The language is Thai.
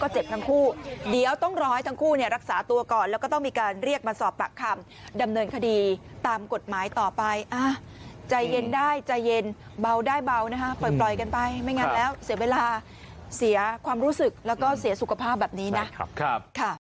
ใจเย็นได้ใจเย็นเบาได้เบานะฮะปล่อยกันไปไม่งั้นแล้วเสียเวลาเสียความรู้สึกแล้วก็เสียสุขภาพแบบนี้นะครับ